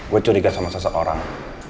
gue curiga sama seseorang